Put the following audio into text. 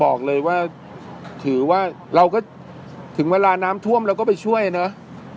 บอกเลยว่าถือว่าเราก็ถึงเวลาน้ำท่วมเราก็ไปช่วยเนอะ